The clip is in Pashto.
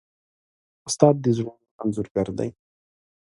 استاد د زړونو انځورګر دی.